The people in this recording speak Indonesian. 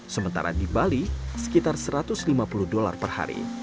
sementara di bali sekitar satu ratus lima puluh dolar per hari